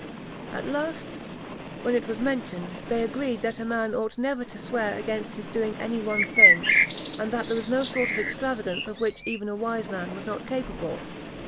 At last, when it was mentioned, they agreed that a man ought never to swear against his doing any one thing, and that there was no sort of extravagance of which even a wise man was not capable.